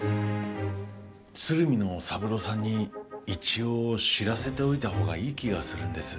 鶴見の三郎さんに一応知らせておいた方がいい気がするんです。